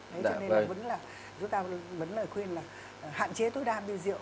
đấy cho nên là vẫn là chúng ta vẫn lời khuyên là hạn chế tối đa bia rượu